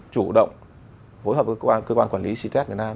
chủ động phối hợp với cơ quan quản lý ct việt nam